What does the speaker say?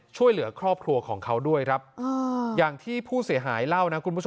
ช่วยเหลือครอบครัวของเขาด้วยครับอย่างที่ผู้เสียหายเล่านะคุณผู้ชม